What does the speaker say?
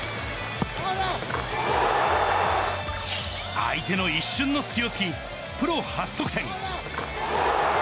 相手の一瞬の隙をつき、プロ初得点。